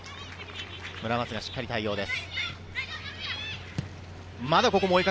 村松がしっかり対応です。